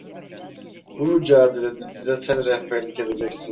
Bu mücadelede bize sen rehberlik edeceksin!